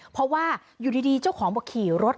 เพราะว่าอยู่ดีเจ้าของบอกขี่รถ